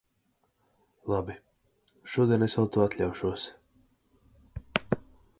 Labi, šodien es vēl to atļaušos.